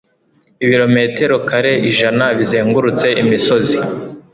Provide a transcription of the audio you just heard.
Ibirometero kare ijana bizengurutse imisozi